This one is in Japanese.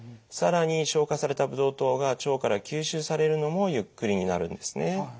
更に消化されたブドウ糖が腸から吸収されるのもゆっくりになるんですね。